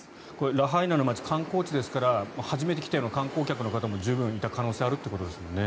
ラハイナの街観光地ですから初めて来た観光客の方も十分いるということですよね。